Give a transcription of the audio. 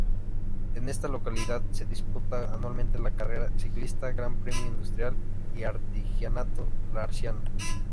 En esta localidad se disputa anualmente la carrera ciclista Gran Premio Industria y Artigianato-Larciano.